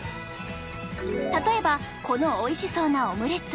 例えばこのおいしそうなオムレツ。